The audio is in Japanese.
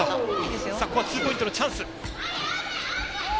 ここはツーポイントのチャンス。